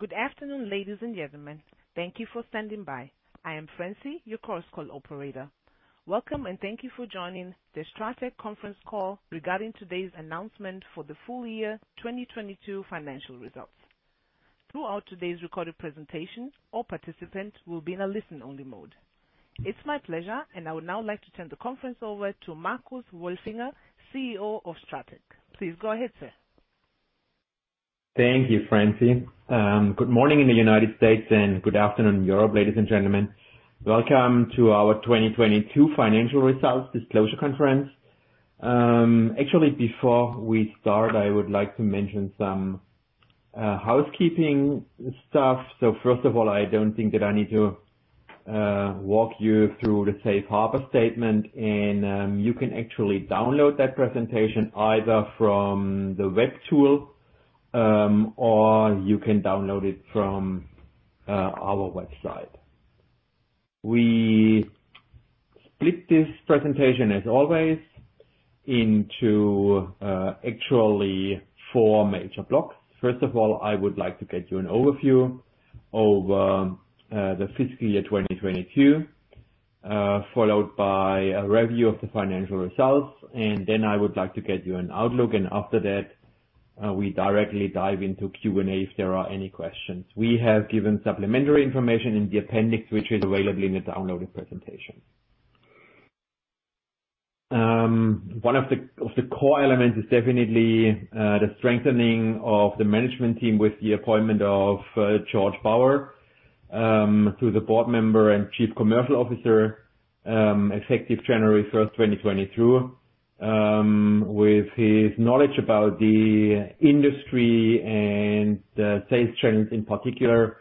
Good afternoon, ladies and gentlemen. Thank you for standing by. I am Francie, your conference call operator. Welcome. Thank you for joining the STRATEC conference call regarding today's announcement for the full year 2022 financial results. Throughout today's recorded presentation, all participants will be in a listen-only mode. It's my pleasure. I would now like to turn the conference over to Marcus Wolfinger, CEO of STRATEC. Please go ahead, sir. Thank you, Francie. Good morning in the United States, and good afternoon Europe. Ladies and gentlemen, welcome to our 2022 financial results disclosure conference. Actually, before we start, I would like to mention some housekeeping stuff. First of all, I don't think that I need to walk you through the Safe Harbor statement. You can actually download that presentation either from the web tool, or you can download it from our website. We split this presentation as always into actually four major blocks. First of all, I would like to get you an overview over the fiscal year 2022, followed by a review of the financial results, and then I would like to get you an outlook. After that, we directly dive into Q&A if there are any questions. We have given supplementary information in the appendix, which is available in the downloaded presentation. One of the core elements is definitely the strengthening of the management team with the appointment of Georg Bauer, to the Board Member and Chief Commercial Officer, effective January 1st, 2022. With his knowledge about the industry and the sales channels in particular,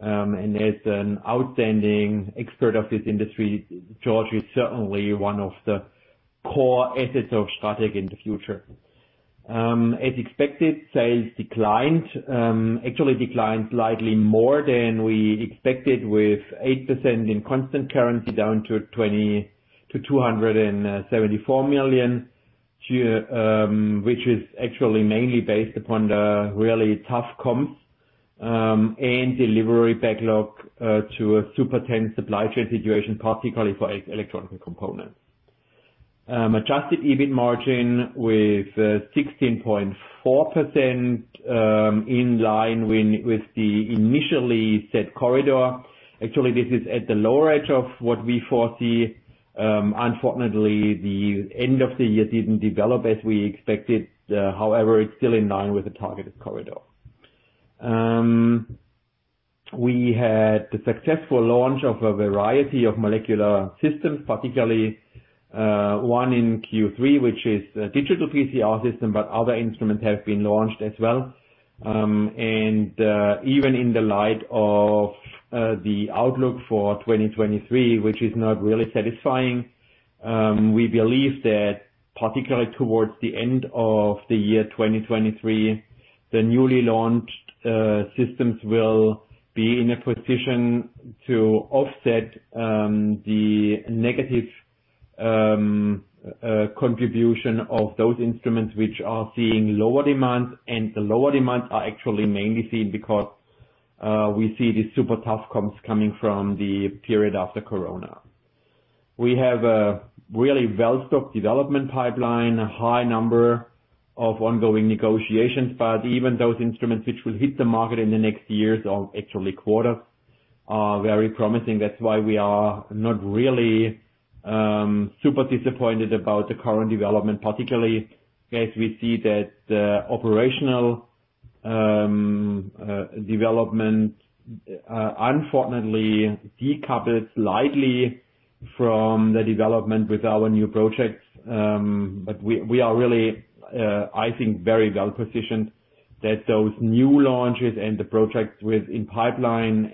and as an outstanding expert of this industry, Georg is certainly one of the core assets of STRATEC in the future. As expected, sales declined, actually declined slightly more than we expected, with 8% in constant currency down to 274 million, which is actually mainly based upon the really tough comps, and delivery backlog, to a super tense supply chain situation, particularly for electronic components. Adjusted EBIT margin with 16.4% in line with the initially set corridor. Actually, this is at the lower edge of what we foresee. Unfortunately, the end of the year didn't develop as we expected. It's still in line with the targeted corridor. We had the successful launch of a variety of molecular systems, particularly one in Q3, which is a digital PCR system, other instruments have been launched as well. Even in the light of the outlook for 2023, which is not really satisfying, we believe that particularly towards the end of the year 2023, the newly launched systems will be in a position to offset the negative contribution of those instruments which are seeing lower demand. The lower demand are actually mainly seen because we see the super tough comps coming from the period after COVID-19. We have a really well-stocked development pipeline, a high number of ongoing negotiations, but even those instruments which will hit the market in the next years or actually quarter are very promising. That's why we are not really super disappointed about the current development, particularly as we see that the operational development unfortunately decoupled slightly from the development with our new projects. But we are really, I think, very well positioned that those new launches and the projects in pipeline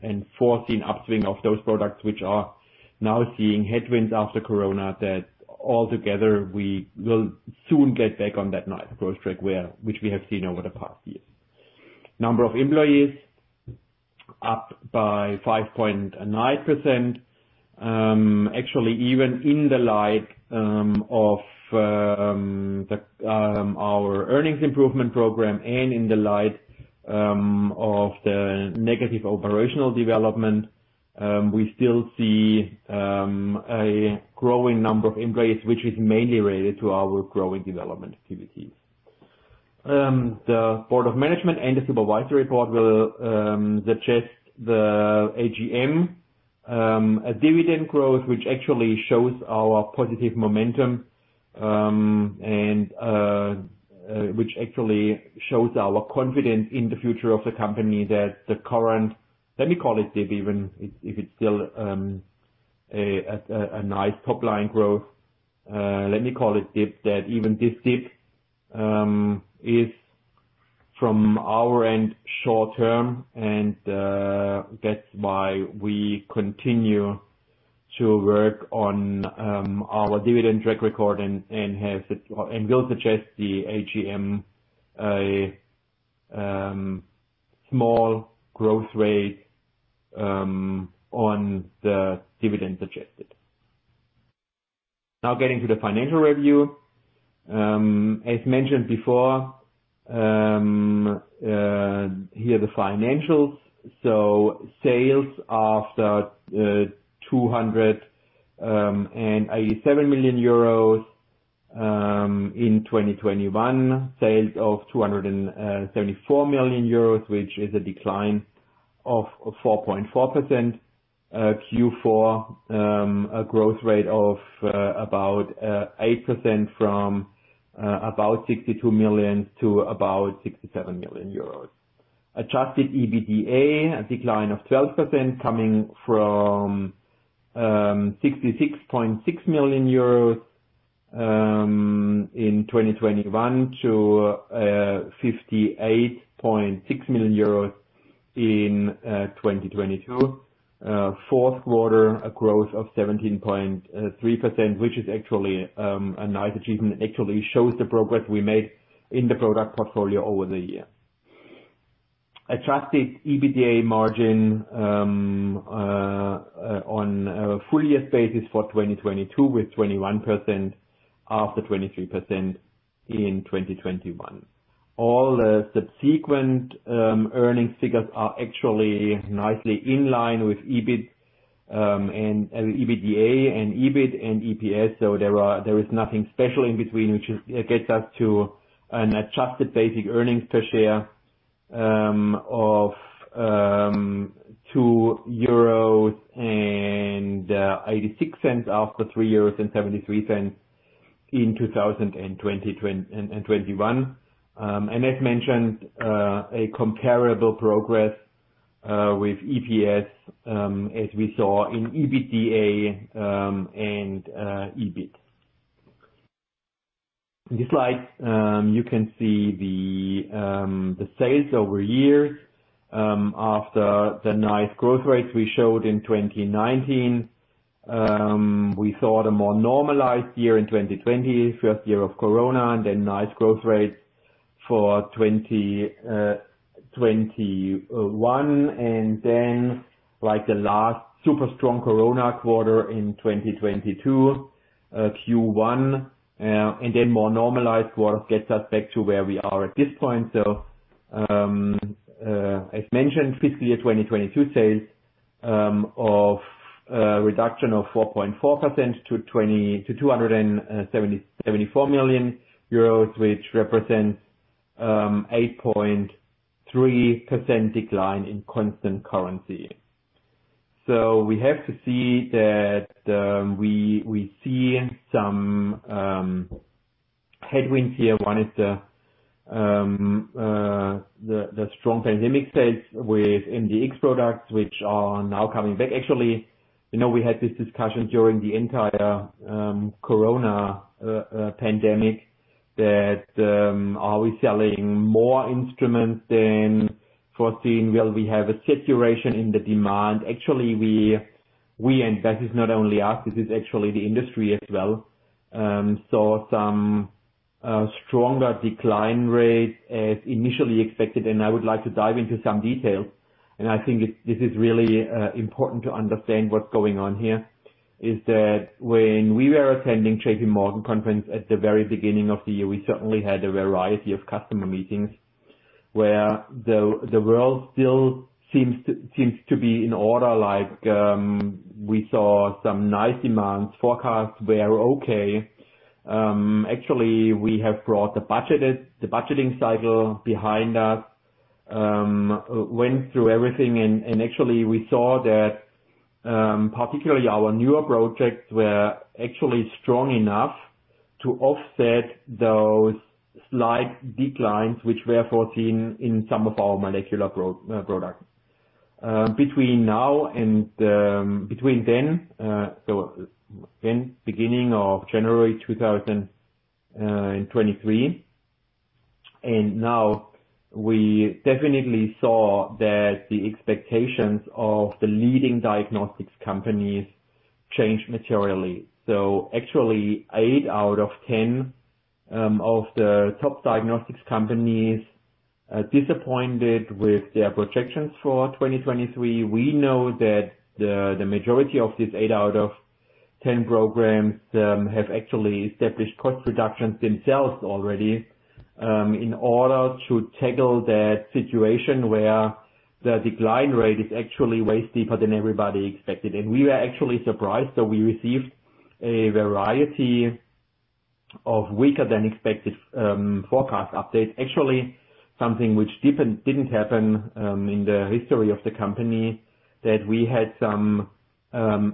and foreseen upswing of those products which are now seeing headwinds after COVID-19, that altogether we will soon get back on that nice growth track which we have seen over the past years. Number of employees up by 5.9%. Actually, even in the light of our earnings improvement program and in the light of the negative operational development, we still see a growing number of employees, which is mainly related to our growing development activities. The board of management and the supervisory board will suggest the AGM a dividend growth which actually shows our positive momentum and which actually shows our confidence in the future of the company, that the current, let me call it dip even if it's still a nice top-line growth, let me call it dip, that even this dip is from our end short-term. That's why we continue to work on our dividend track record and will suggest the AGM a small growth rate on the dividend suggested. Now getting to the financial review. As mentioned before, here are the financials. Sales after 287 million euros in 2021. Sales of 274 million euros, which is a decline of 4.4%. Q4 a growth rate of about 8% from about 62 million to about 67 million euros. Adjusted EBITDA, a decline of 12% coming from 66.6 million euros in 2021 to 58.6 million euros in 2022. Fourth quarter, a growth of 17.3%, which is actually a nice achievement. Actually shows the progress we made in the product portfolio over the year. Adjusted EBITDA margin on a full year basis for 2022 with 21% after 23% in 2021. All the subsequent earnings figures are actually nicely in line with EBIT and EBITDA and EBIT and EPS. There is nothing special in between, which is, gets us to an adjusted basic earnings per share of 2.86 euros after 3.73 euros in 2021. And as mentioned, a comparable progress with EPS as we saw in EBITDA and EBIT. In this slide, you can see the sales over years after the nice growth rates we showed in 2019. We saw the more normalized year in 2020, first year of corona, nice growth rates for 2021. Like the last super strong corona quarter in 2022, Q1, and then more normalized quarter gets us back to where we are at this point. As mentioned, fiscal year 2022 sales of reduction of 4.4% to 274 million euros, which represents 8.3% decline in constant currency. We have to see that we see some headwinds here. One is the strong pandemic sales with MDx products, which are now coming back. Actually, you know, we had this discussion during the entire corona pandemic that are we selling more instruments than foreseen? Will we have a saturation in the demand? Actually, we, and that is not only us, this is actually the industry as well, saw some stronger decline rate as initially expected, and I would like to dive into some details. I think this is really important to understand what's going on here, is that when we were attending JPMorgan conference at the very beginning of the year, we certainly had a variety of customer meetings where the world still seems to be in order. Like, we saw some nice demands, forecasts were okay. Actually, we have brought the budgeting cycle behind us, went through everything and actually we saw that particularly our newer projects were actually strong enough to offset those slight declines, which were foreseen in some of our molecular products. Between now and between then, beginning of January 2023 and now, we definitely saw that the expectations of the leading diagnostics companies changed materially. Actually, eight out of 10 of the top diagnostics companies are disappointed with their projections for 2023. We know that the majority of these eight out of 10 programs have actually established cost reductions themselves already in order to tackle that situation where the decline rate is actually way steeper than everybody expected. We were actually surprised that we received a variety of weaker than expected forecast updates. Actually, something which didn't happen in the history of the company, that we had some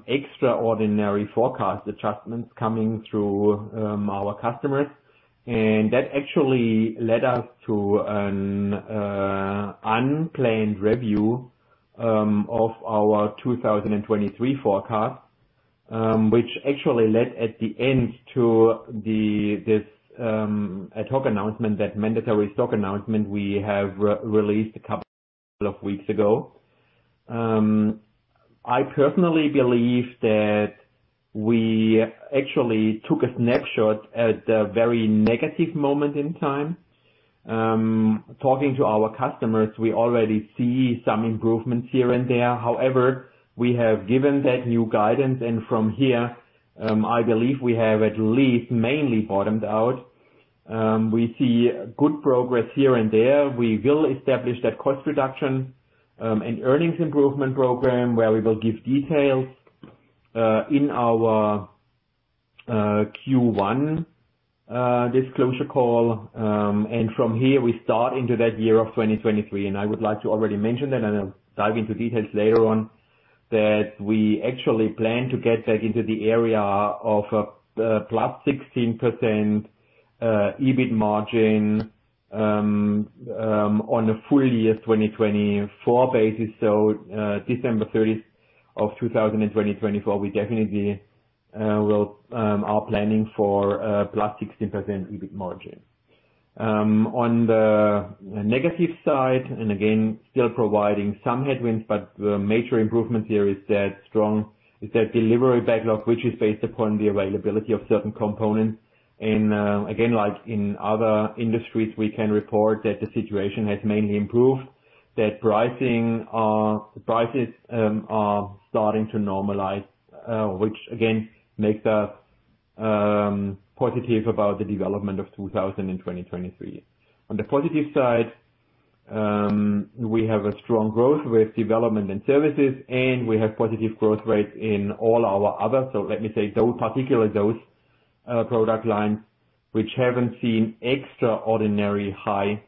extraordinary forecast adjustments coming through our customers. That actually led us to an unplanned review of our 2023 forecast, which actually led at the end to this ad hoc announcement, that mandatory stock announcement we have released a couple of weeks ago. I personally believe that we actually took a snapshot at a very negative moment in time. Talking to our customers, we already see some improvements here and there. However, we have given that new guidance and from here, I believe we have at least mainly bottomed out. We see good progress here and there. We will establish that cost reduction and earnings improvement program where we will give details in our Q1 disclosure call. From here, we start into that year of 2023, and I would like to already mention that, and I'll dive into details later on, that we actually plan to get back into the area of +16% EBIT margin on a full year 2024 basis. December 30 of 2024, we definitely will are planning for +16% EBIT margin. On the negative side, again, still providing some headwinds, but the major improvement here is that delivery backlog, which is based upon the availability of certain components. Again, like in other industries, we can report that the situation has mainly improved, that pricing, prices are starting to normalize, which again, makes us positive about the development of 2023. On the positive side, we have a strong growth with development and services, and we have positive growth rates in all our other. Let me say those, particularly those product lines which haven't seen extraordinary high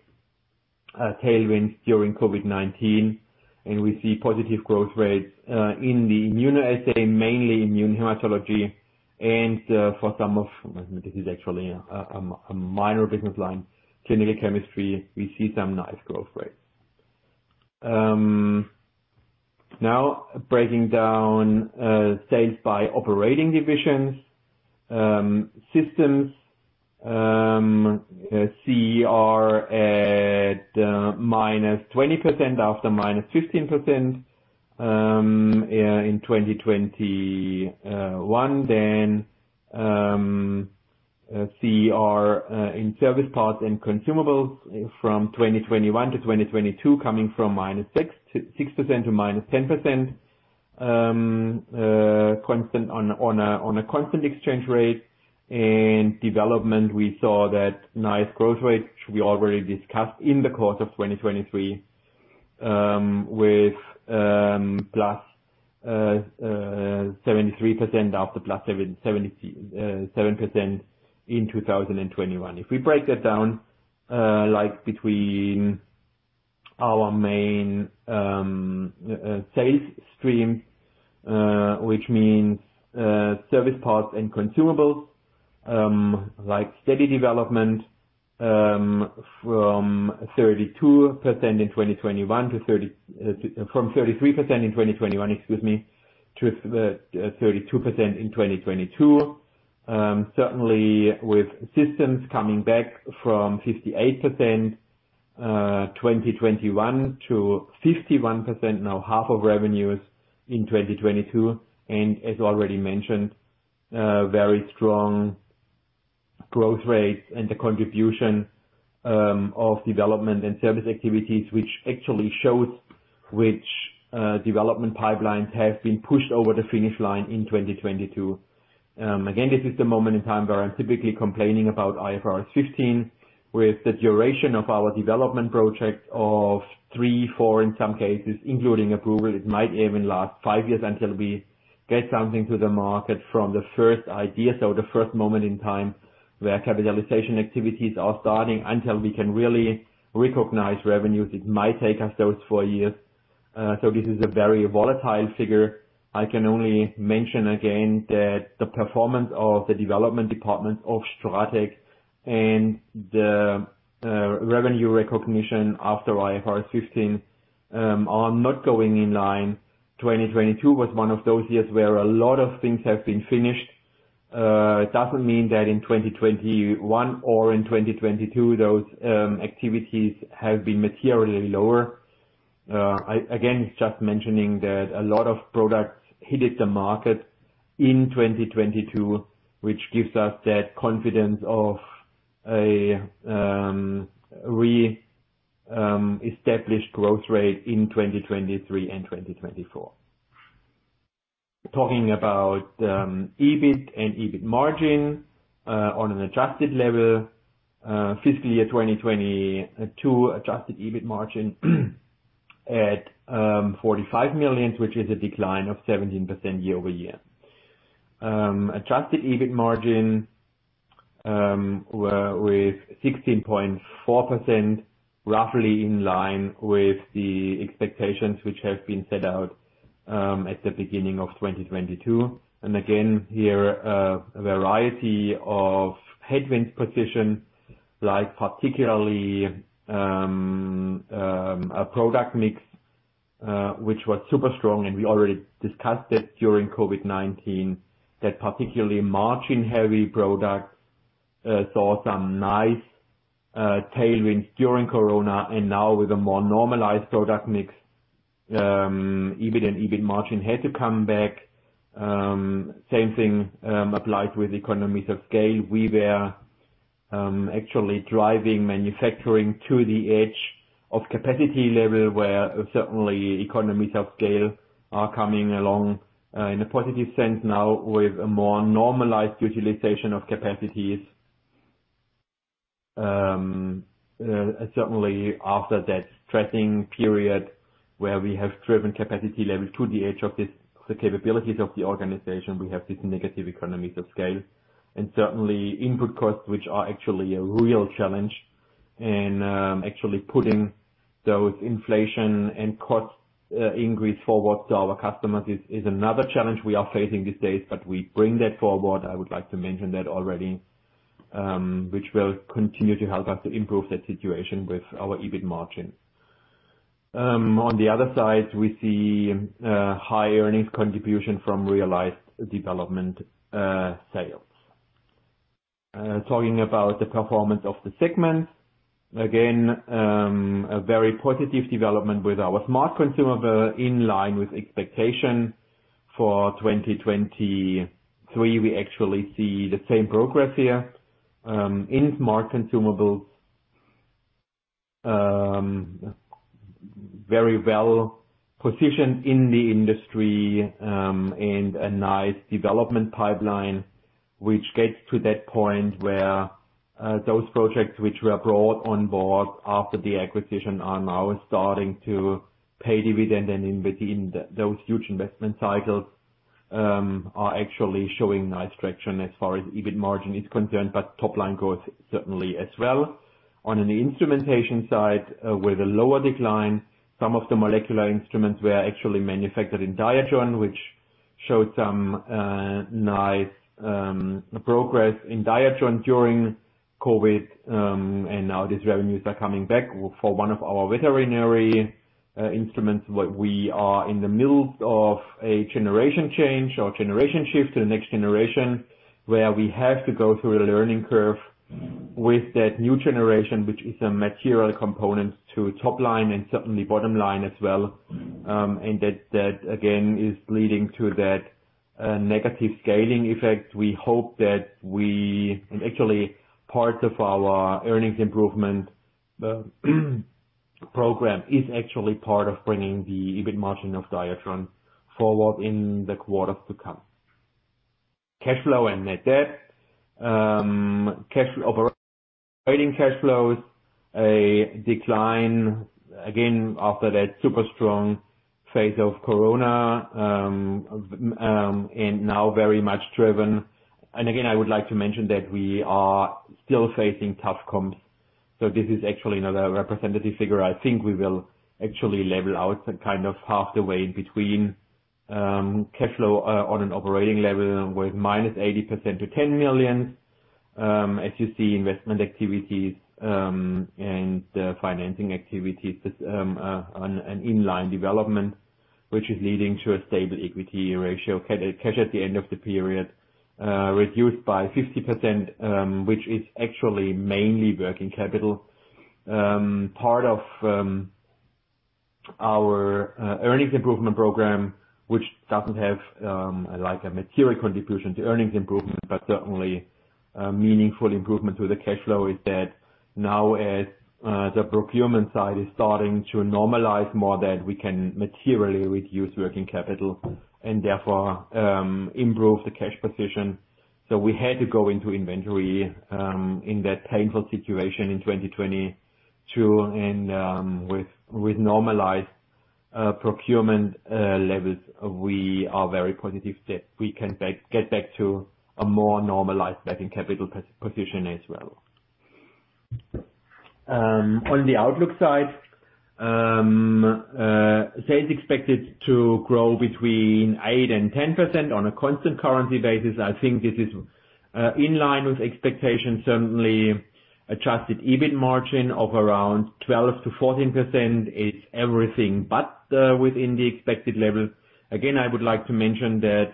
tailwinds during COVID-19, and we see positive growth rates in the immunoassay, mainly immunohematology. For some of, this is actually a minor business line, clinical chemistry, we see some nice growth rates. Now breaking down sales by operating divisions. Systems are at -20% after -15% in 2021. See our in service parts and consumables from 2021 to 2022 coming from -6% to -10% constant on a constant exchange rate. In development, we saw that nice growth rate, which we already discussed in the course of 2023, with +73% after +77% in 2021. If we break that down, like between our main sales stream, which means service parts and consumables, like steady development, from 33% in 2021, excuse me, to 32% in 2022. Certainly with systems coming back from 58% 2021 to 51%, now half of revenues in 2022. As already mentioned, very strong growth rates and the contribution of development and service activities, which actually shows which development pipelines have been pushed over the finish line in 2022. Again, this is the moment in time where I'm typically complaining about IFRS 15 with the duration of our development project of three, four in some cases, including approval. It might even last five years until we get something to the market from the first idea. The first moment in time where capitalization activities are starting until we can really recognize revenues, it might take us those four years. This is a very volatile figure. I can only mention again that the performance of the development department of STRATEC and the revenue recognition after IFRS 15 are not going in line. 2022 was one of those years where a lot of things have been finished. It doesn't mean that in 2021 or in 2022, those activities have been materially lower. Again, it's just mentioning that a lot of products hit the market in 2022, which gives us that confidence of a established growth rate in 2023 and 2024. Talking about EBIT and EBIT margin on an adjusted level, fiscal year 2022 adjusted EBIT margin at 45 million, which is a decline of 17% year-over-year. Adjusted EBIT margin were with 16.4%, roughly in line with the expectations which have been set out at the beginning of 2022. Again, here, a variety of headwinds position like particularly, a product mix, which was super strong, and we already discussed it during COVID-19, that particularly margin-heavy products saw some nice tailwinds during corona, and now with a more normalized product mix. EBIT and EBIT margin had to come back. Same thing applied with economies of scale. We were actually driving manufacturing to the edge of capacity level, where certainly economies of scale are coming along in a positive sense now with a more normalized utilization of capacities. Certainly after that stressing period where we have driven capacity levels to the edge of this, the capabilities of the organization, we have this negative economies of scale. Certainly input costs, which are actually a real challenge and actually putting those inflation and cost increase forward to our customers is another challenge we are facing these days. We bring that forward, I would like to mention that already, which will continue to help us to improve that situation with our EBIT margin. On the other side, we see high earnings contribution from realized development sales. Talking about the performance of the segment. Again, a very positive development with our smart consumables in line with expectation for 2023. We actually see the same progress here in smart consumables. Very well-positioned in the industry and a nice development pipeline, which gets to that point where those projects which were brought on board after the acquisition are now starting to pay dividend. In between those huge investment cycles, are actually showing nice traction as far as EBIT margin is concerned, but top line growth certainly as well. On an instrumentation side with a lower decline, some of the molecular instruments were actually manufactured in Diatron, which showed some nice progress in Diatron during COVID. Now these revenues are coming back for one of our veterinary instruments. We are in the middle of a generation change or generation shift to the next generation, where we have to go through a learning curve with that new generation, which is a material component to top line and certainly bottom line as well. That again is leading to that negative scaling effect. We hope that and actually part of our earnings improvement program is actually part of bringing the EBIT margin of Diatron forward in the quarters to come. Cash flow and net debt. Cash trading cash flows a decline again after that super strong phase of corona and now very much driven. Again, I would like to mention that we are still facing tough comps. This is actually not a representative figure. I think we will actually level out some kind of halfway between cash flow on an operating level with -80% to 10 million. As you see investment activities and financing activities on an in-line development, which is leading to a stable equity ratio. Cash at the end of the period reduced by 50%, which is actually mainly working capital. Part of our earnings improvement program, which doesn't have like a material contribution to earnings improvement, but certainly a meaningful improvement to the cash flow, is that now as the procurement side is starting to normalize more, that we can materially reduce working capital and therefore improve the cash position. We had to go into inventory in that painful situation in 2022. With normalized procurement levels, we are very positive that we can get back to a more normalized working capital position as well. On the outlook side, sales expected to grow between 8% and 10% on a constant currency basis. I think this is in line with expectations. Certainly Adjusted EBIT margin of around 12%-14% is everything but within the expected levels. I would like to mention that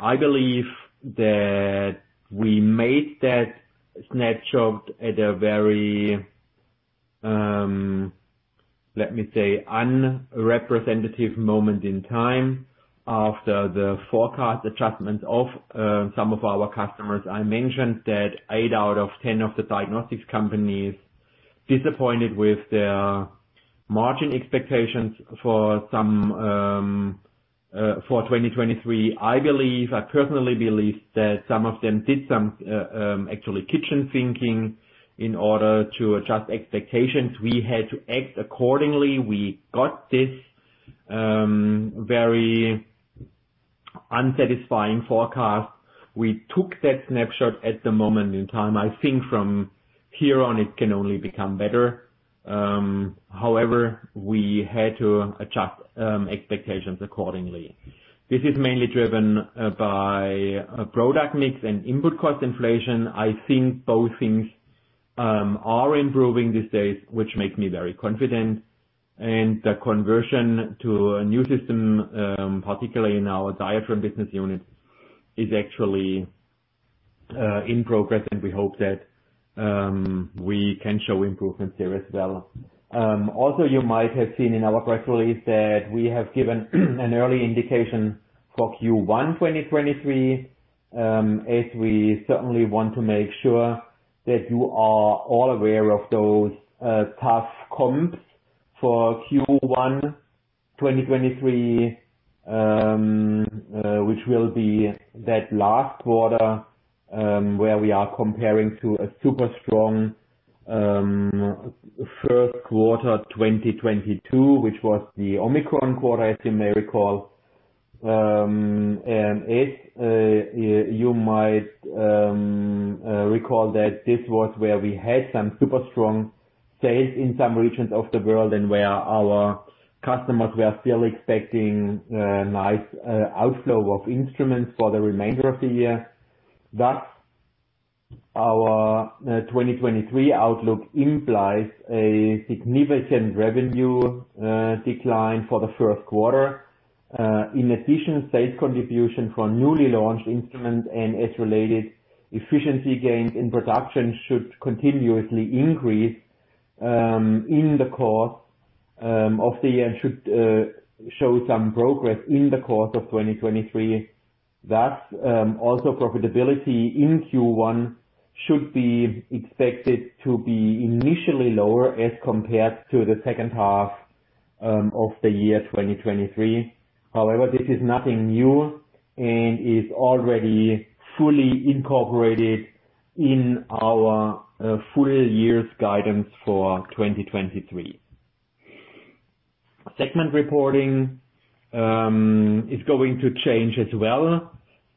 I believe that we made that snapshot at a very, let me say, unrepresentative moment in time after the forecast adjustments of some of our customers. I mentioned that eight out of 10 of the diagnostics companies disappointed with their margin expectations for some for 2023. I believe, I personally believe that some of them did some actually kitchen thinking in order to adjust expectations. We had to act accordingly. We got this very unsatisfying forecast. We took that snapshot at the moment in time. I think from here on it can only become better. However, we had to adjust expectations accordingly. This is mainly driven by product mix and input cost inflation. I think both things are improving these days, which makes me very confident. The conversion to a new system, particularly in our Diatron business unit, is in progress, and we hope that we can show improvements there as well. Also you might have seen in our press release that we have given an early indication for Q1 2023, as we certainly want to make sure that you are all aware of those tough comps for Q1 2023, which will be that last quarter, where we are comparing to a super strong first quarter 2022, which was the Omicron quarter, as you may recall. As you might recall that this was where we had some super strong sales in some regions of the world and where our customers were still expecting nice outflow of instruments for the remainder of the year. Thus, our 2023 outlook implies a significant revenue decline for the first quarter. In addition, sales contribution from newly launched instruments and its related efficiency gains in production should continuously increase in the course of the year and should show some progress in the course of 2023. Thus, also profitability in Q1 should be expected to be initially lower as compared to the second half of the year 2023. However, this is nothing new and is already fully incorporated in our full year's guidance for 2023. Segment reporting is going to change as well.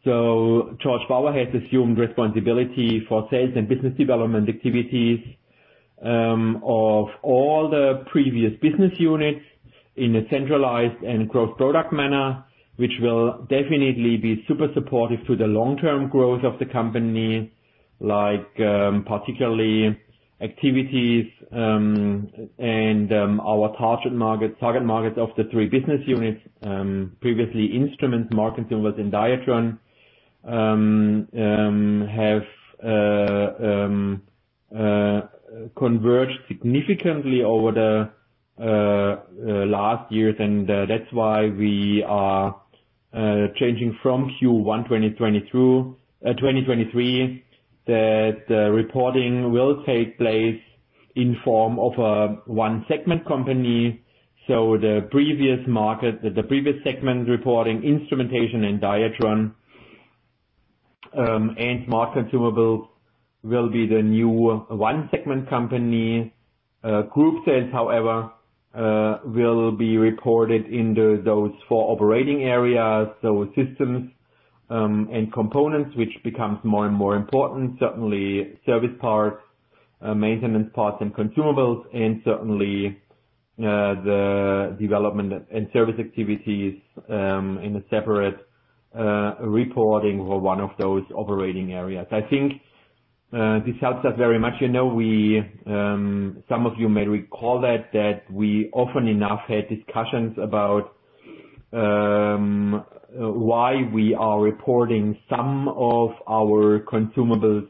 Georg Bauer has assumed responsibility for sales and business development activities of all the previous business units in a centralized and cross-product manner, which will definitely be super supportive to the long-term growth of the company. Particularly activities, and our target market of the three business units, previously instrument, market consumables and Diatron, have converged significantly over the last years. That's why we are changing from Q1 2023, that reporting will take place in form of one segment company. The previous segment reporting, instrumentation and Diatron, and market consumables will be the new one segment company. Group sales, however, will be reported into those four operating areas. Systems and components, which becomes more and more important, certainly service parts, maintenance parts and consumables, and certainly the development and service activities, in a separate reporting for one of those operating areas. I think this helps us very much. I know we. Some of you may recall that we often enough had discussions about why we are reporting some of our consumables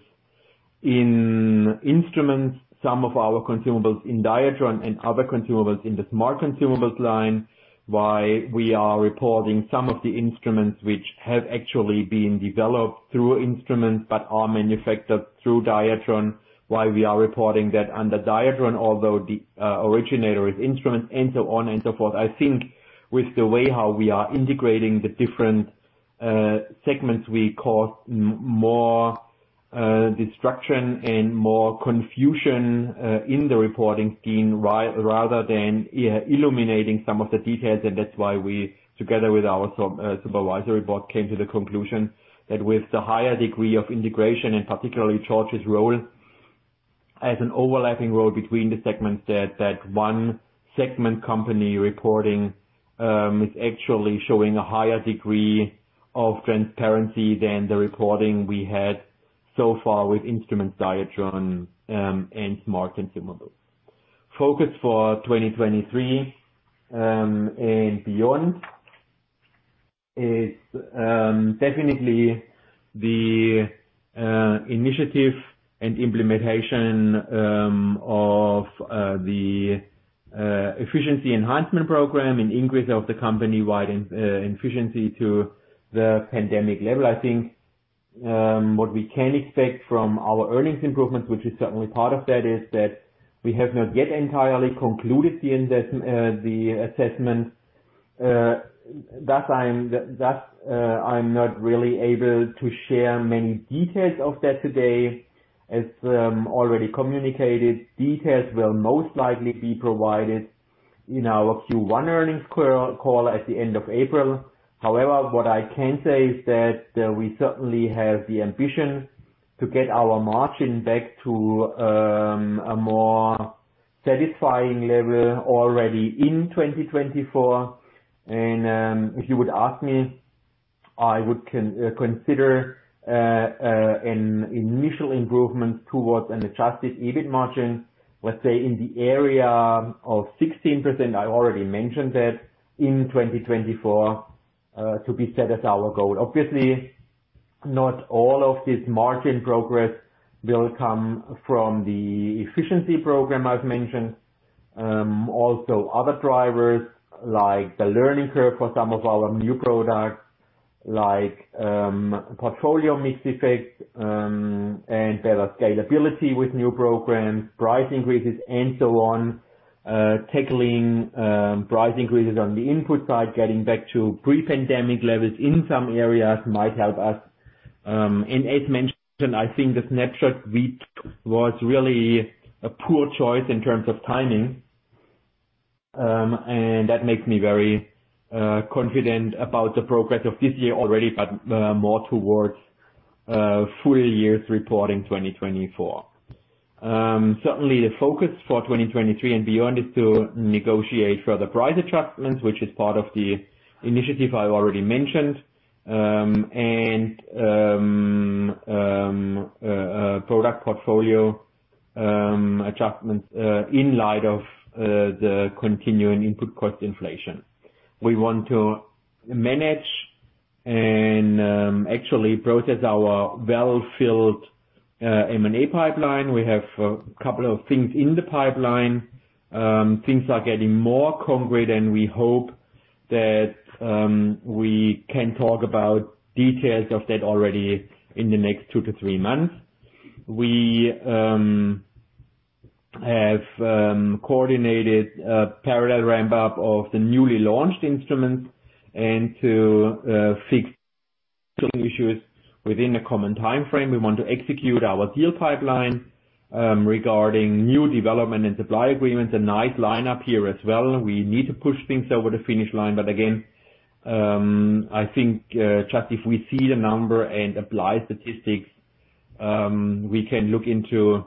in instruments, some of our consumables in Diatron, and other consumables in the smart consumables line. Why we are reporting some of the instruments which have actually been developed through instruments but are manufactured through Diatron, why we are reporting that under Diatron, although the originator is instruments, and so on and so forth. I think with the way how we are integrating the different segments, we cause more distraction and more confusion in the reporting scheme, rather than illuminating some of the details. That's why we, together with our supervisory board, came to the conclusion that with the higher degree of integration, and particularly Georg's role as an overlapping role between the segments, that one segment company reporting is actually showing a higher degree of transparency than the reporting we had so far with instruments, Diatron, and smart consumables. Focus for 2023 and beyond is definitely the initiative and implementation of the efficiency enhancement program and increase of the company-wide efficiency to the pandemic level. I think what we can expect from our earnings improvements, which is certainly part of that, is that we have not yet entirely concluded the assessment. Thus, I'm not really able to share many details of that today. As already communicated, details will most likely be provided in our Q1 earnings call at the end of April. What I can say is that we certainly have the ambition to get our margin back to a more satisfying level already in 2024. If you would ask me, I would consider an initial improvement towards an Adjusted EBIT margin. Let's say in the area of 16%, I already mentioned that, in 2024, to be set as our goal. Not all of this margin progress will come from the efficiency program I've mentioned. Also other drivers like the learning curve for some of our new products, like portfolio mix effects, and better scalability with new programs, price increases and so on. Tackling price increases on the input side, getting back to pre-pandemic levels in some areas might help us. As mentioned, I think the snapshot we took was really a poor choice in terms of timing. That makes me very confident about the progress of this year already, but more towards full year's report in 2024. Certainly the focus for 2023 and beyond is to negotiate further price adjustments, which is part of the initiative I already mentioned, and product portfolio adjustments in light of the continuing input cost inflation. We want to manage and actually process our well-filled M&A pipeline. We have a couple of things in the pipeline. Things are getting more concrete. We hope that we can talk about details of that already in the next two to three months. We have coordinated a parallel ramp up of the newly launched instruments and to fix some issues within a common time frame. We want to execute our deal pipeline regarding new development and supply agreements. A nice line-up here as well. We need to push things over the finish line. Again, I think just if we see the number and apply statistics, we can look into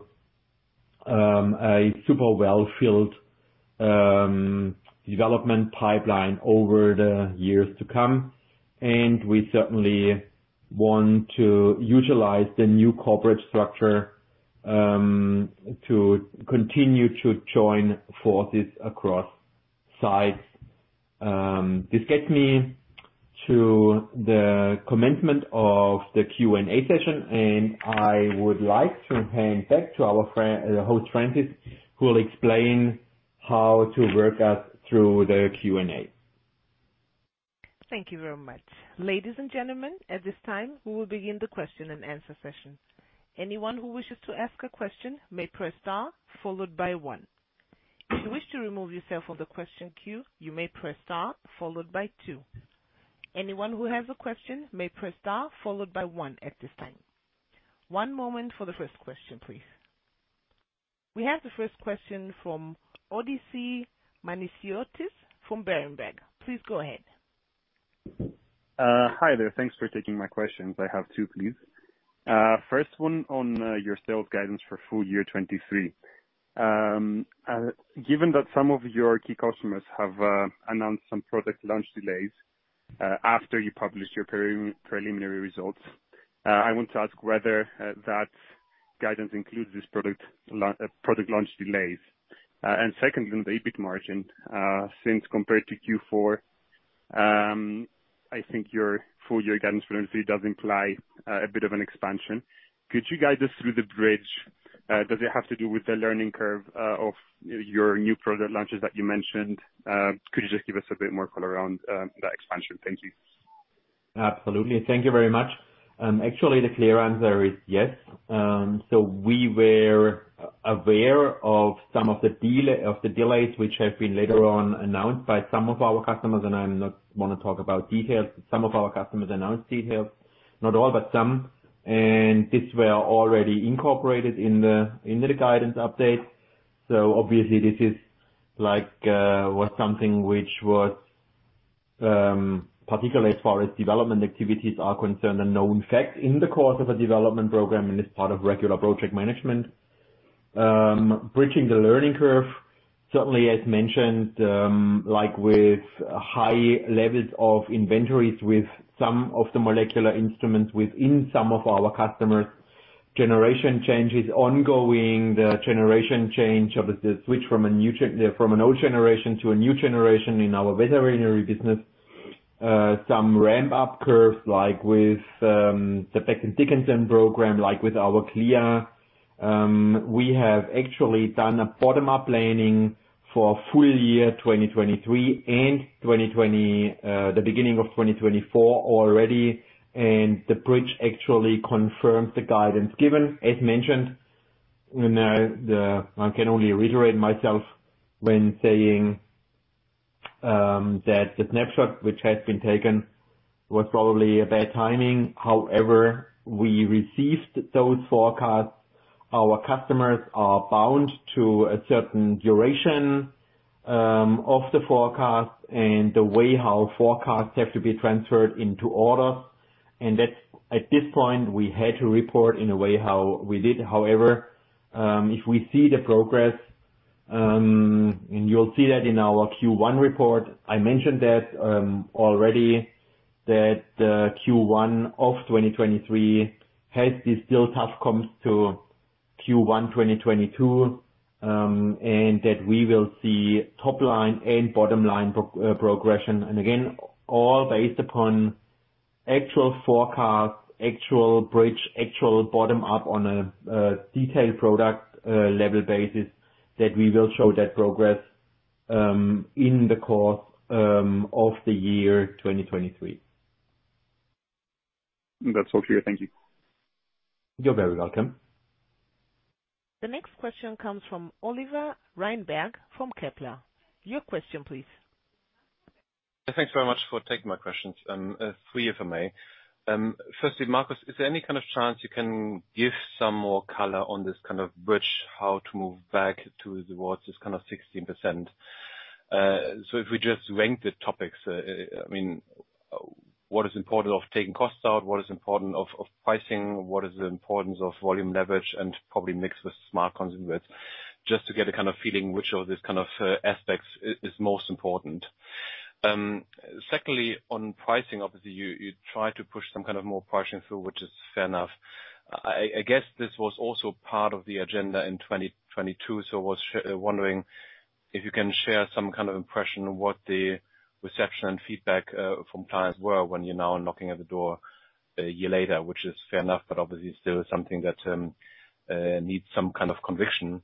a super well-filled development pipeline over the years to come. We certainly want to utilize the new corporate structure to continue to join forces across sites. This gets me to the commencement of the Q&A session, and I would like to hand back to the host Francie, who will explain how to work us through the Q&A. Thank you very much. Ladies and gentlemen, at this time, we will begin the question and answer session. Anyone who wishes to ask a question may press star followed by one. If you wish to remove yourself from the question queue, you may press star followed by two. Anyone who has a question may press star followed by one at this time. One moment for the first question, please. We have the first question from Odysseas Manesiotis from BERENBERG. Please go ahead. Hi there. Thanks for taking my questions. I have two, please. First one on your sales guidance for full year 2023. Given that some of your key customers have announced some product launch delays after you published your preliminary results, I want to ask whether that guidance includes this product launch delays. Second, on the EBIT margin, since compared to Q4, I think your full-year guidance for 2023 does imply a bit of an expansion. Could you guide us through the bridge? Does it have to do with the learning curve of your new product launches that you mentioned? Could you just give us a bit more color around that expansion? Thank you. Absolutely. Thank you very much. Actually, the clear answer is yes. We were aware of some of the delays which have been later on announced by some of our customers, and I'm not wanna talk about details. Some of our customers announced details, not all, but some. These were already incorporated in the, in the guidance update. Obviously this is like, was something which was, particularly as far as development activities are concerned, a known fact in the course of a development program and is part of regular project management. Bridging the learning curve, certainly as mentioned, like with high levels of inventories with some of the molecular instruments within some of our customers, generation changes ongoing. The generation change of the switch from an old generation to a new generation in our veterinary business. Some ramp up curves like with the Becton Dickinson program, like with our CLIA. We have actually done a bottom-up planning for full year 2023 and the beginning of 2024 already. The bridge actually confirms the guidance given. As mentioned, I can only reiterate myself when saying that the snapshot which has been taken was probably a bad timing. We received those forecasts. Our customers are bound to a certain duration of the forecast and the way how forecasts have to be transferred into orders. That's, at this point, we had to report in a way how we did. If we see the progress. You'll see that in our Q1 report. I mentioned that already, that Q1 of 2023 has this still tough comps to Q1 2022, and that we will see top line and bottom line progression. Again, all based upon actual forecast, actual bridge, actual bottom up on a detailed product level basis that we will show that progress in the course of the year 2023. That's all clear. Thank you. You're very welcome. The next question comes from Oliver Reinberg from Kepler. Your question, please. Thanks very much for taking my questions. Three if I may. Firstly, Marcus, is there any kind of chance you can give some more color on this kind of bridge, how to move back to towards this kind of 16%? If we just rank the topics, I mean, what is important of taking costs out, what is important of pricing, what is the importance of volume leverage, and probably mix with smartphones? But just to get a kind of feeling which of of these kind of topics is most important. Secondly, on pricing, if you try to push some kind of more questions, which is fair enough? I guess was also part of the agenda in 2022, so I was really wondering if you can share some kind of impression of what the reception and feedback from clients were when you are now knocking at the door a year later, which is fair enough, but obviously still something that needs some kind of conviction.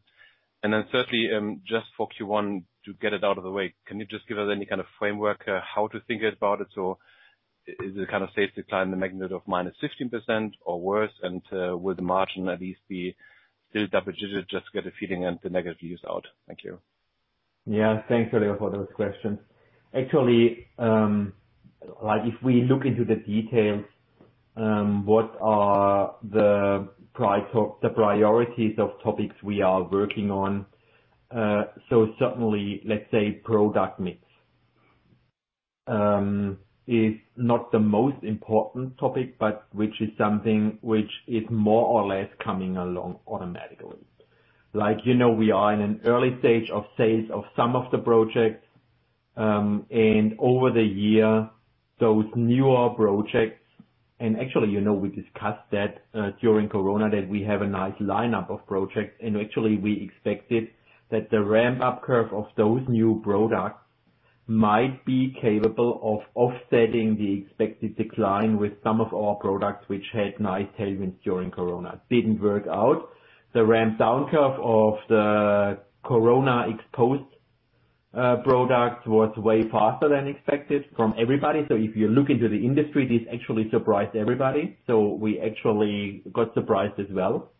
And then thirdly, just what you want to get out of the way, can you just give us some kind of framework, how you figure out it's the kind of safety net, negative of minus 60% or worse, and with marginally, please just get a feeling of the negatives out. Thanks a lot for those questions. Actually, like if we look into the details, what are the priorities of topics we are working on. Certainly, let's say product mix is not the most important topic, but which is something which is more or less coming along automatically. Like, you know, we are in an early stage of sales of some of the projects. Over the year, those newer projects... Actually, you know, we discussed that during COVID-19 that we have a nice lineup of projects. Actually, we expected that the ramp-up curve of those new products might be capable of offsetting the expected decline with some of our products which had nice tailwinds during COVID-19. Didn't work out. The ramp-down curve of the COVID-19 exposed products was way faster than expected from everybody. If you look into the industry, this actually surprised everybody. We actually got surprised as well.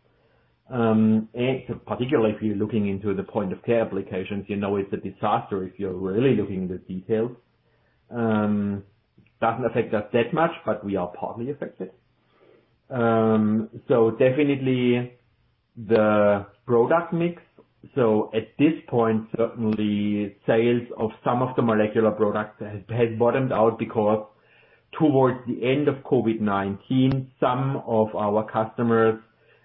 Particularly if you're looking into the point-of-care applications, you know, it's a disaster if you're really looking at the details. Doesn't affect us that much, we are partly affected. Definitely the product mix. At this point, certainly sales of some of the molecular products has bottomed out because towards the end of COVID-19, some of our customers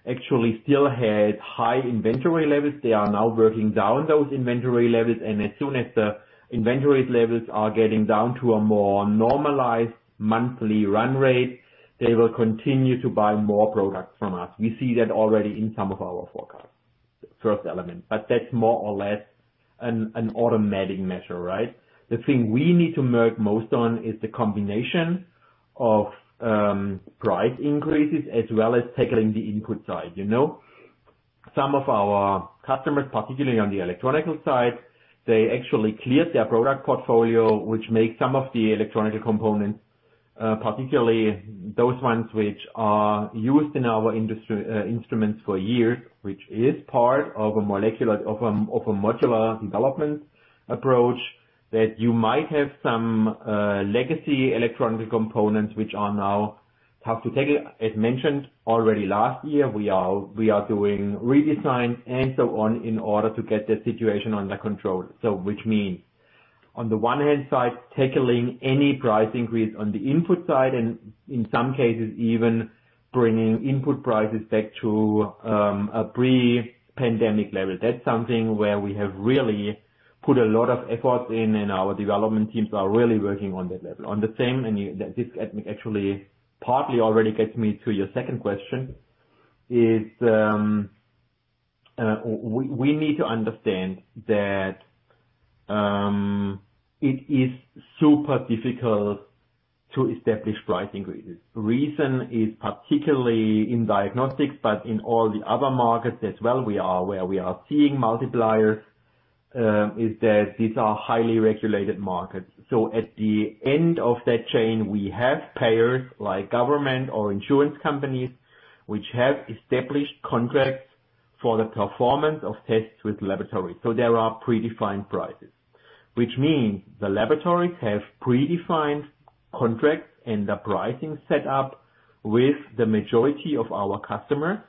actually still had high inventory levels. They are now working down those inventory levels, and as soon as the inventory levels are getting down to a more normalized monthly run rate, they will continue to buy more products from us. We see that already in some of our forecasts. First element. That's more or less an automatic measure, right? The thing we need to work most on is the combination of price increases as well as tackling the input side, you know. Some of our customers, particularly on the electronic side, they actually cleared their product portfolio, which makes some of the electronic components, particularly those ones which are used in our instruments for years, which is part of a modular development approach, that you might have some legacy electronic components which are now tough to tackle. As mentioned already last year, we are doing redesign and so on in order to get the situation under control. Which means, on the one hand side, tackling any price increase on the input side and in some cases even bringing input prices back to a pre-pandemic level. That's something where we have really put a lot of effort in, and our development teams are really working on that level. This actually partly already gets me to your second question, is, we need to understand that it is super difficult to establish price increases. Reason is particularly in diagnostics, but in all the other markets as well, where we are seeing multipliers, is that these are highly regulated markets. At the end of that chain, we have payers like government or insurance companies, which have established contracts for the performance of tests with laboratories. There are predefined prices, which means the laboratories have predefined contracts and the pricing set up with the majority of our customers,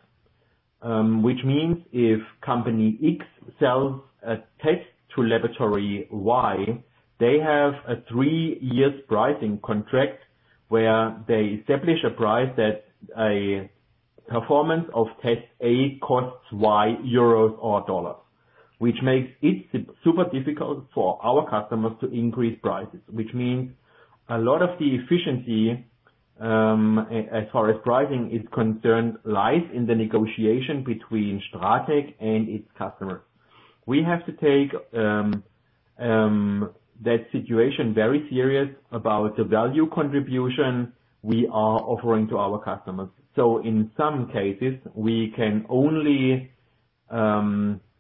which means if company X sells a test to laboratory Y, they have a three-year pricing contract where they establish a price that aPerformance of test A costs Y euro or dollar, which makes it super difficult for our customers to increase prices, which means a lot of the efficiency, as far as pricing is concerned, lies in the negotiation between STRATEC and its customers. We have to take that situation very serious about the value contribution we are offering to our customers. In some cases, we can only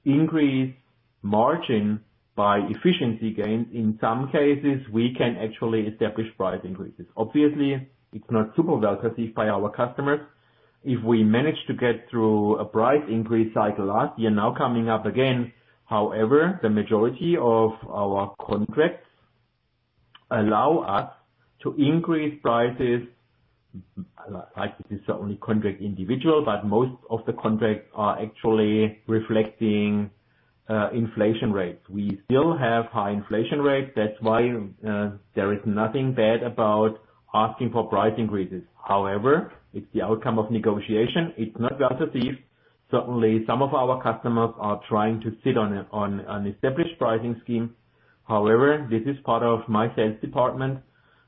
increase margin by efficiency gains. In some cases, we can actually establish price increases. Obviously, it's not super well received by our customers. If we manage to get through a price increase cycle last year, now coming up again, however, the majority of our contracts allow us to increase prices. Like, this is only contract individual, but most of the contracts are actually reflecting inflation rates. We still have high inflation rates. That's why there is nothing bad about asking for price increases. However, it's the outcome of negotiation. It's not well received. Certainly, some of our customers are trying to sit on a established pricing scheme. However, this is part of my sales department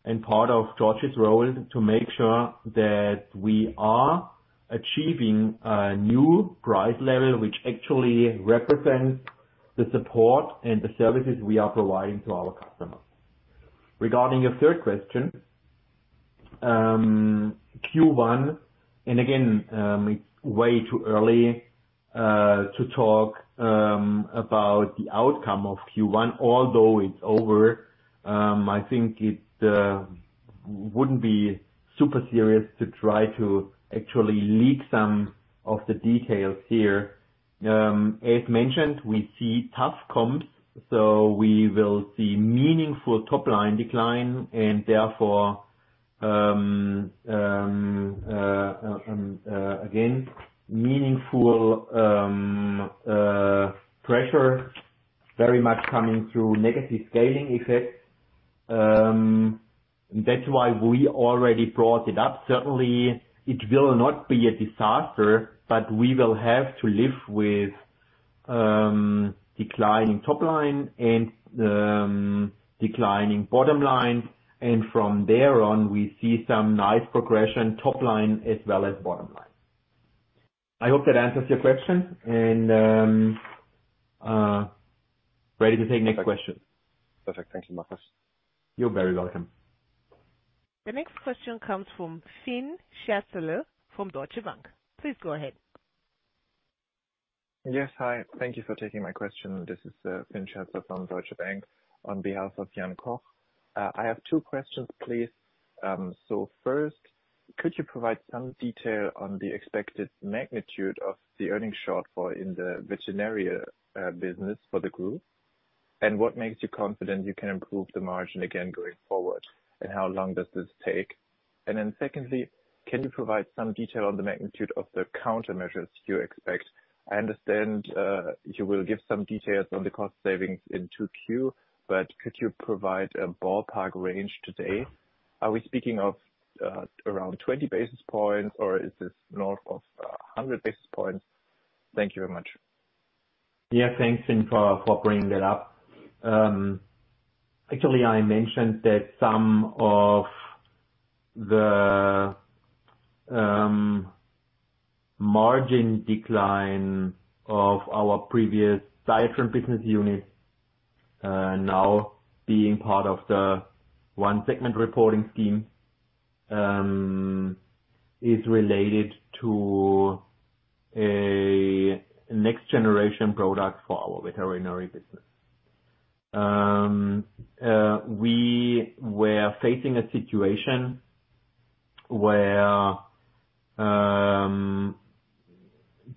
and part of Georg's role to make sure that we are achieving a new price level, which actually represents the support and the services we are providing to our customers. Regarding your third question, Q1, again, it's way too early to talk about the outcome of Q1, although it's over. I think it wouldn't be super serious to try to actually leak some of the details here. As mentioned, we see tough comps, so we will see meaningful top line decline and therefore again, meaningful pressure very much coming through negative scaling effects. That's why we already brought it up. Certainly, it will not be a disaster, but we will have to live with declining top line and declining bottom line. From there on, we see some nice progression top line as well as bottom line. I hope that answers your question and ready to take next question. Perfect. Thank you, Marcus. You're very welcome. The next question comes from Fynn Scherzler from Deutsche Bank. Please go ahead. Hi. Thank you for taking my question. This is Fynn Scherzler from Deutsche Bank, on behalf of Jan Koch. I have two questions, please. First, could you provide some detail on the expected magnitude of the earnings shortfall in the veterinary business for the group? What makes you confident you can improve the margin again going forward? How long does this take? Secondly, can you provide some detail on the magnitude of the countermeasures you expect? I understand you will give some details on the cost savings in 2Q, Could you provide a ballpark range today? Are we speaking of around 20 basis points, or is this north of 100 basis points? Thank you very much. Yeah. Thanks, Fynn, for bringing that up. Actually, I mentioned that some of the margin decline of our previous Diatron business unit, now being part of the one segment reporting scheme, is related to a next generation product for our veterinary business. We were facing a situation where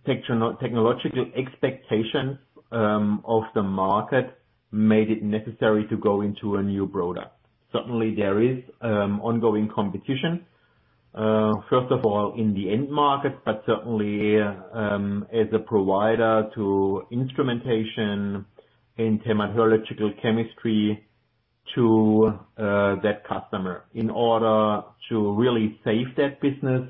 technologically expectations of the market made it necessary to go into a new product. Certainly, there is ongoing competition, first of all in the end market, but certainly, as a provider to instrumentation in hematological chemistry to that customer. In order to really save that business,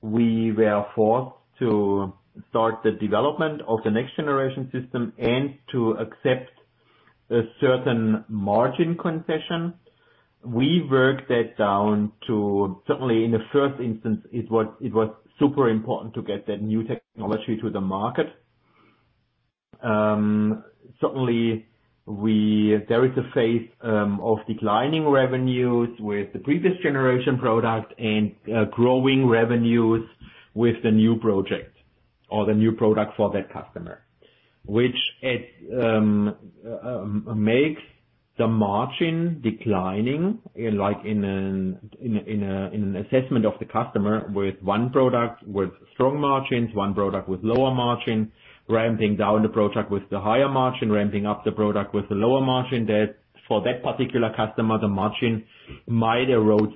we were forced to start the development of the next generation system and to accept a certain margin concession. We worked that down to. Certainly in the first instance, super important to get that new technology to the market. Certainly there is a phase of declining revenues with the previous generation product and growing revenues with the new project or the new product for that customer, which it makes the margin declining, like in an assessment of the customer with one product with strong margins, one product with lower margin, ramping down the product with the higher margin, ramping up the product with the lower margin. That for that particular customer, the margin might erode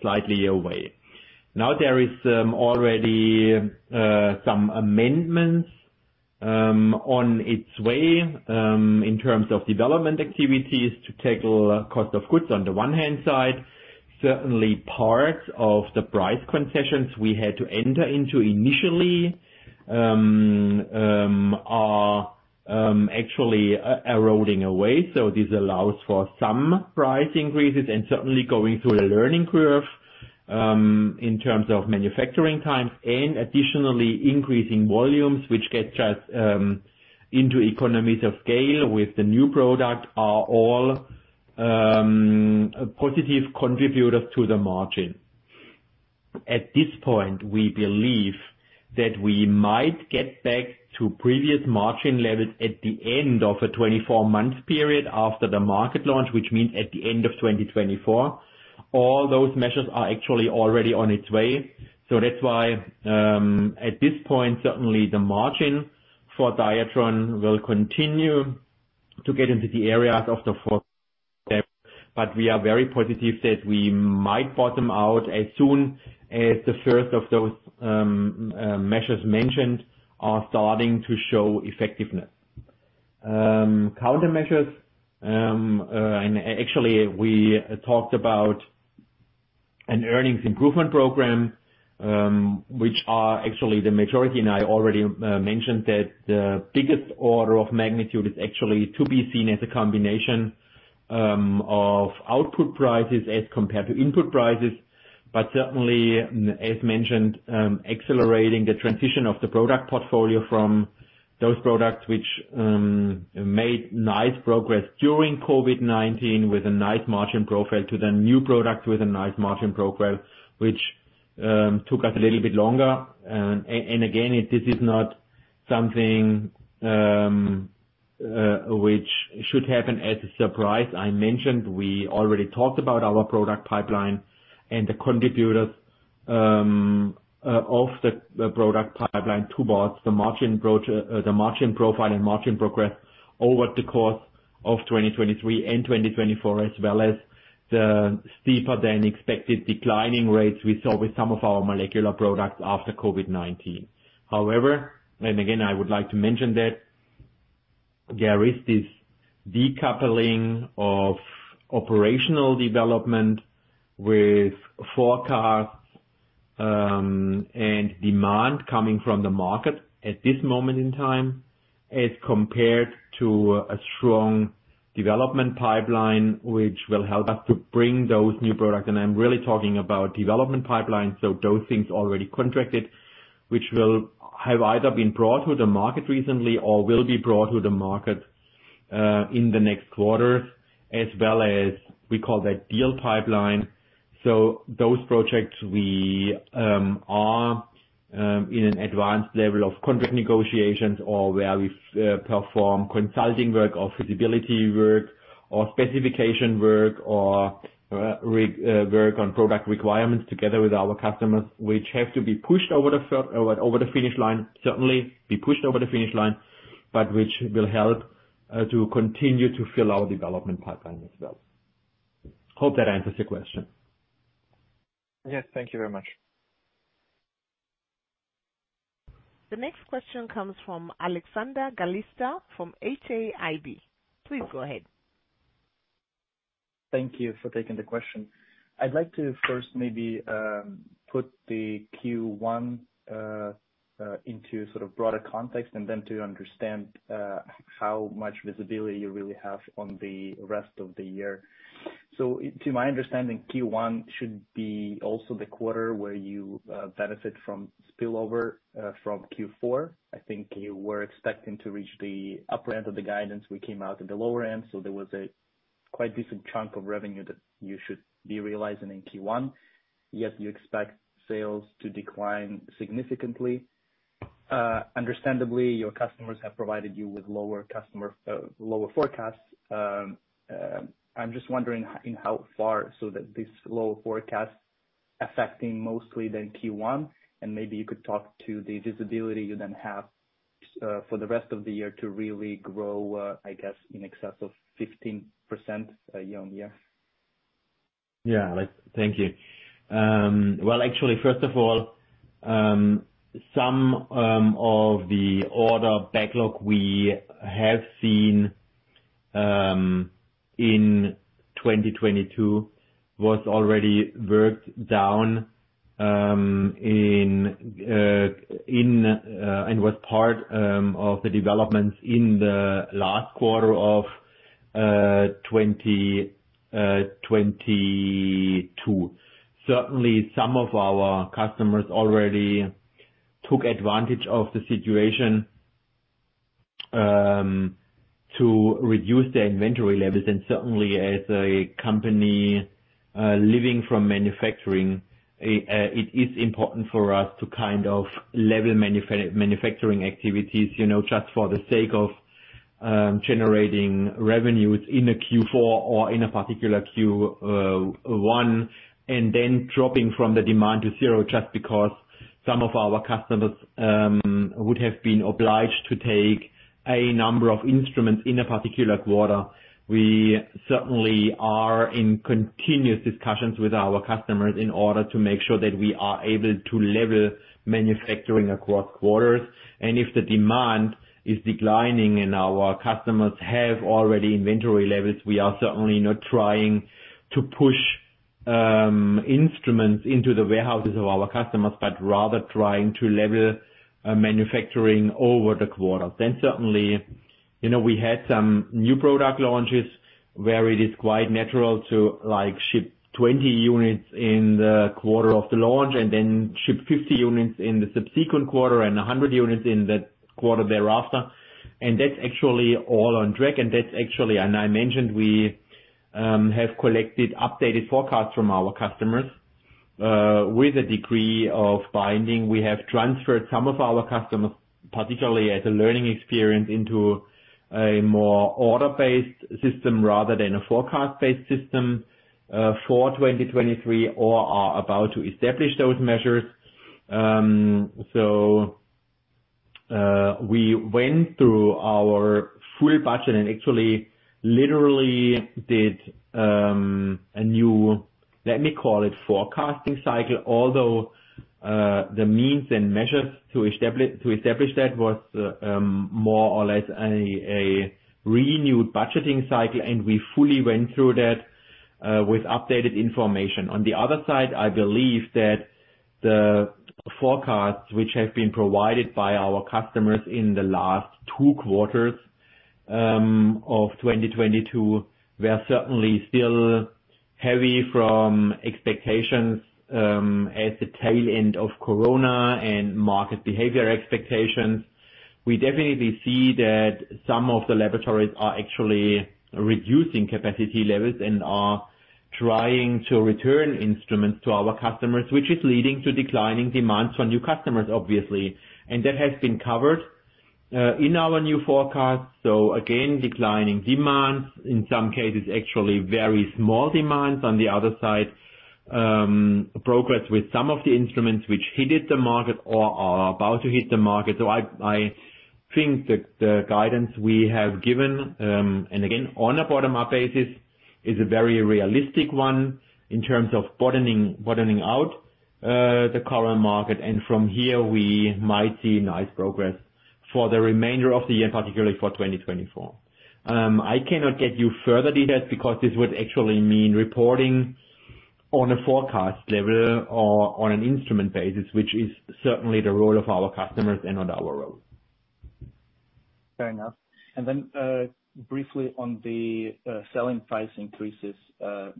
slightly away. Now there is already some amendments on its way in terms of development activities to tackle cost of goods. On the one hand side, certainly parts of the price concessions we had to enter into initially are actually eroding away. This allows for some price increases and certainly going through a learning curve, in terms of manufacturing times and additionally increasing volumes which get just into economies of scale with the new product are all positive contributors to the margin. At this point, we believe that we might get back to previous margin levels at the end of a 24-month period after the market launch, which means at the end of 2024. All those measures are actually already on its way. That's why at this point, certainly the margin for Diatron will continue to get into the areas of the fourth step, but we are very positive that we might bottom out as soon as the first of those measures mentioned are starting to show effectiveness. Countermeasures. Actually, we talked about an earnings improvement program, which are actually the majority, and I already mentioned that the biggest order of magnitude is actually to be seen as a combination of output prices as compared to input prices. Certainly, as mentioned, accelerating the transition of the product portfolio from those products which made nice progress during COVID-19 with a nice margin profile to the new product with a nice margin profile, which took us a little bit longer. Again, this is not something which should happen as a surprise. I mentioned we already talked about our product pipeline and the contributors of the product pipeline towards the margin pro... The margin profile and margin progress over the course of 2023 and 2024, as well as the steeper than expected declining rates we saw with some of our molecular products after COVID-19. Again, I would like to mention that there is this decoupling of operational development with forecasts and demand coming from the market at this moment in time, as compared to a strong development pipeline, which will help us to bring those new products. I'm really talking about development pipelines, so those things already contracted, which will have either been brought to the market recently or will be brought to the market in the next quarters, as well as we call that deal pipeline. Those projects we are in an advanced level of contract negotiations or where we perform consulting work or feasibility work or specification work, or re-work on product requirements together with our customers, which have to be pushed over the finish line. Certainly be pushed over the finish line, but which will help to continue to fill our development pipeline as well. Hope that answers your question. Yes, thank you very much. The next question comes from Alexander Galitsa from HAIB. Please go ahead. Thank you for taking the question. I'd like to first maybe put the Q1 into sort of broader context and then to understand how much visibility you really have on the rest of the year. To my understanding, Q1 should be also the quarter where you benefit from spillover from Q4. I think you were expecting to reach the upper end of the guidance. We came out at the lower end, so there was a quite decent chunk of revenue that you should be realizing in Q1, yet you expect sales to decline significantly. Understandably, your customers have provided you with lower customer, lower forecasts. I'm just wondering in how far so that this lower forecast affecting mostly then Q1, and maybe you could talk to the visibility you then have, for the rest of the year to really grow, I guess in excess of 15% year-on-year? Yeah. Thank you. Well, actually first of all, some of the order backlog we have seen in 2022 was already worked down in in and was part of the developments in the last quarter of 2022. Certainly some of our customers already took advantage of the situation to reduce their inventory levels and certainly as a company living from manufacturing, it is important for us to kind of level manufacturing activities, you know, just for the sake of generating revenues in a Q4 or in a particular Q1, and then dropping from the demand to zero just because some of our customers would have been obliged to take a number of instruments in a particular quarter. We certainly are in continuous discussions with our customers in order to make sure that we are able to level manufacturing across quarters. If the demand is declining and our customers have already inventory levels, we are certainly not trying to push instruments into the warehouses of our customers, but rather trying to level manufacturing over the quarter. Certainly, you know, we had some new product launches where it is quite natural to, like, ship 20 units in the quarter of the launch and then ship 50 units in the subsequent quarter and 100 units in that quarter thereafter. That's actually all on track. I mentioned we have collected updated forecasts from our customers. With a degree of binding, we have transferred some of our customers, particularly as a learning experience, into a more order-based system rather than a forecast-based system for 2023 or are about to establish those measures. We went through our full budget and actually literally did a new, let me call it forecasting cycle, although the means and measures to establish that was more or less a renewed budgeting cycle, and we fully went through that with updated information. On the other side, I believe that the forecasts which have been provided by our customers in the last two quarters of 2022, were certainly still heavy from expectations at the tail end of corona and market behavior expectations. We definitely see that some of the laboratories are actually reducing capacity levels and are trying to return instruments to our customers, which is leading to declining demands for new customers, obviously. That has been covered in our new forecast. Again, declining demands, in some cases actually very small demands. On the other side, progress with some of the instruments which hit the market or are about to hit the market. I think the guidance we have given, and again, on a bottom-up basis, is a very realistic one in terms of bottoming out the current market. From here we might see nice progress for the remainder of the year, particularly for 2024. I cannot get you further details because this would actually mean reporting on a forecast level or on an instrument basis, which is certainly the role of our customers and not our role. Fair enough. Briefly on the selling price increases.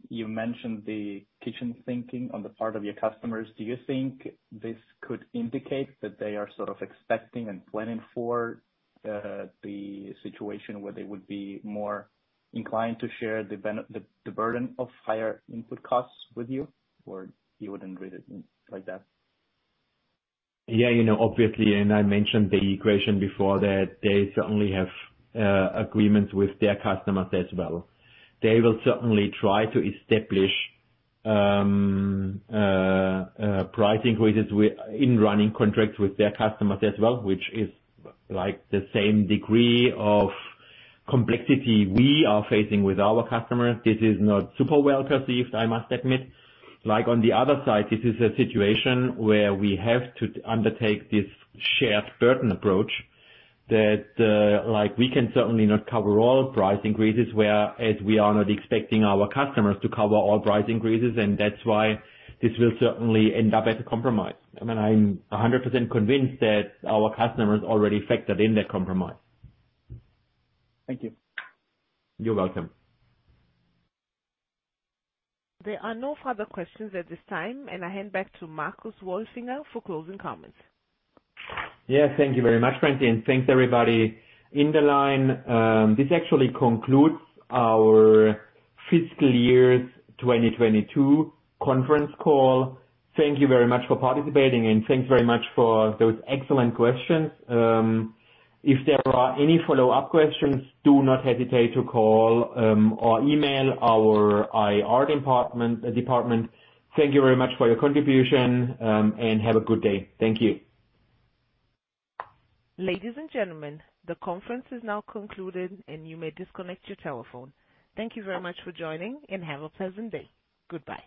You mentioned the kitchen sinking on the part of your customers. Do you think this could indicate that they are sort of expecting and planning for the situation where they would be more inclined to share the burden of higher input costs with you, or you wouldn't read it like that? Yeah, you know, obviously, and I mentioned the equation before that they certainly have agreements with their customers as well. They will certainly try to establish price increases in running contracts with their customers as well, which is, like, the same degree of complexity we are facing with our customers. This is not super well perceived, I must admit. On the other side, this is a situation where we have to undertake this shared burden approach that, like, we can certainly not cover all price increases, whereas we are not expecting our customers to cover all price increases. That's why this will certainly end up as a compromise. I mean, I'm 100% convinced that our customers already factored in that compromise. Thank you. You're welcome. There are no further questions at this time, and I hand back to Marcus Wolfinger for closing comments. Yeah. Thank you very much, Francie. Thanks everybody in the line. This actually concludes our fiscal year 2022 conference call. Thank you very much for participating, and thanks very much for those excellent questions. If there are any follow-up questions, do not hesitate to call or email our IR department. Thank you very much for your contribution. Have a good day. Thank you. Ladies and gentlemen, the conference is now concluded, and you may disconnect your telephone. Thank you very much for joining, and have a pleasant day. Goodbye.